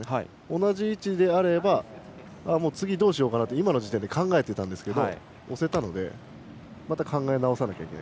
同じ位置であれば次どうしようかなって考えてたんですが押せたので、また考え直さないといけない。